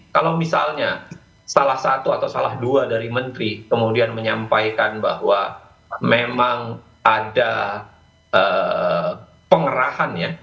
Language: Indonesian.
kalau misalnya salah satu atau salah dua dari menteri kemudian menyampaikan bahwa memang ada pengerahan ya